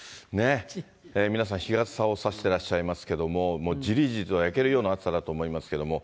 皆さん、日傘を差してらっしゃいますけれども、もうじりじりと焼けるような暑さだと思いますけれども。